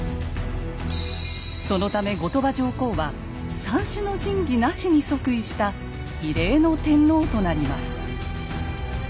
そのため後鳥羽上皇は三種の神器なしに即位した「異例の天皇」となります。